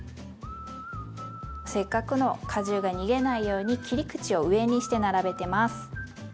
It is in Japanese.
せっかくの果汁が逃げないように切り口を上にして並べてます。